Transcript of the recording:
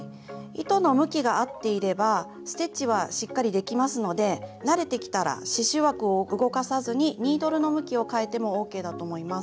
糸の向きが合っていればステッチはしっかりできますので慣れてきたら刺しゅう枠を動かさずにニードルの向きを変えてもＯＫだと思います。